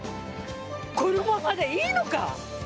このままでいいのか！